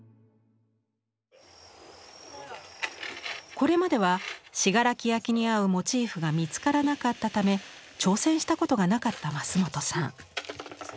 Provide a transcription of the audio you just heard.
これまでは信楽焼に合うモチーフが見つからなかったため挑戦したことがなかった桝本さん。